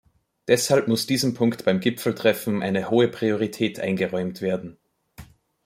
Deshalb muss diesem Punkt beim Gipfeltreffen eine hohe Priorität eingeräumt werden.